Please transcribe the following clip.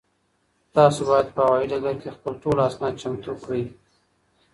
تاسو باید په هوایي ډګر کې خپل ټول اسناد چمتو کړئ.